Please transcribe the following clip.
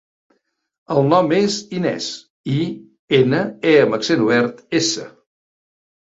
El nom és Inès: i, ena, e amb accent obert, essa.